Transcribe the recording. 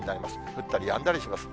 降ったりやんだりします。